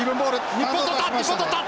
日本とった！